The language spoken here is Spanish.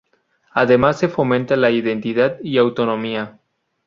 Además se fomenta la identidad y autonomía.